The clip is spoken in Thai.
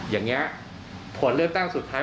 อย่างนี้ผลเลือกตั้งสุดท้าย